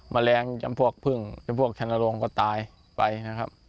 แมลงจำพวกพึ่งจำพวกชนโรงก็ตายไปนะครับ